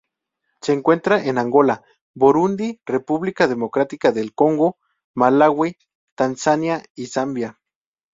Se encuentra en Angola, Burundi, República Democrática del Congo, Malaui, Tanzania, y Zambia.